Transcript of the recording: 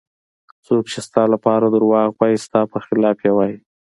څوک چې ستا لپاره دروغ وایي ستا په خلاف یې وایي.